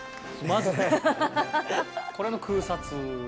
これの空撮を。